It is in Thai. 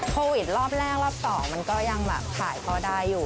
โควิดรอบแรกรอบ๒มันก็ยังแบบขายพ่อได้อยู่